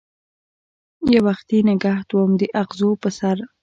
یووختي نګهت وم داغزو په سر